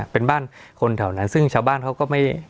เป็นบ้านคนแถวนั้นซึ่งชาวบ้านเขาก็ไม่